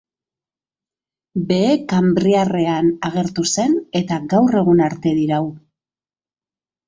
Behe-kanbriarrean agertu zen eta gaur egun arte dirau.